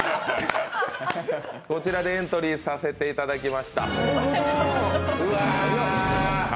こちらでエントリーさせていただきました。